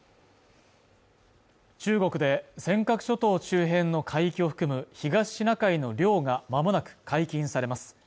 中国で尖閣諸島周辺の海域を含む東シナ海の漁がまもなく解禁されます